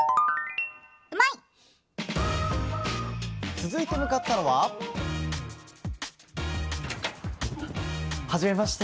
続いて向かったのははじめまして。